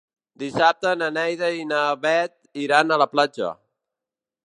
Dissabte na Neida i na Bet iran a la platja.